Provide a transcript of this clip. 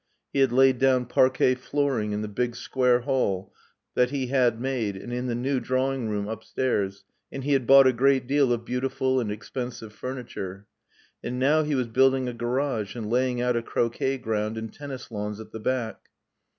He had laid down parquet flooring in the big square hall that he had made and in the new drawing room upstairs; and he had bought a great deal of beautiful and expensive furniture. And now he was building a garage and laying out a croquet ground and tennis lawns at the back.